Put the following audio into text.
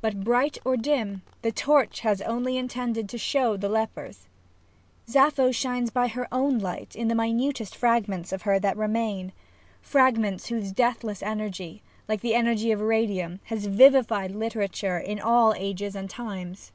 But bright or dim, the torch was only intended to show the lepers. Sappho shines by her own light in the minutest fragments of her that remain — Fragments whose deathless energy, like the energy of radium, has vivified literature in all ages and times.